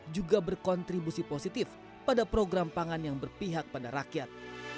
juga berkontribusi positif pada program pangan yang berpihak pada rakyat